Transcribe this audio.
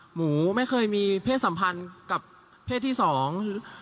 หมูไม่เคยมีเพศสัมพันธ์กับเพศที่สอง